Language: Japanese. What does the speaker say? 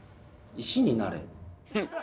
石になれ？